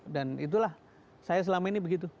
dan itulah saya selama ini begitu